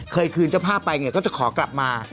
เคยคืนเจ้าพาบไปก็จะขอกลับมา